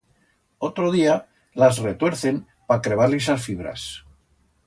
Otro día las retuercen pa crebar-lis las fibras.